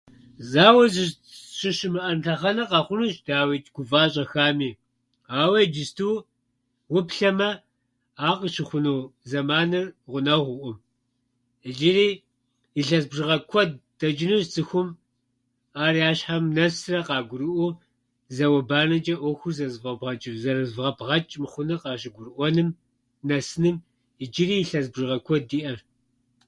Зауэ зы- щыщымыӏэн лъэхъэнэ къэхъунущ дауичкӏ гува щӏэхами, ауэ иджысту уплъэмэ, ар къыщыхъуну зэманыр гъунэгъуӏым. Иджыри илъэс бжыгъэ куэд дэчӏынущ цӏыхум ар я щхьэм нэсрэ къагурыӏуэу зауэбанэчӏэ ӏуэхур зэрызыфӏэбгъэ- зэрызэфӏэбгъэчӏ мыхъуныр къыщыгурыӏуэным нэсыным иджыри илъэс бжыгъэ куэд иӏэщ.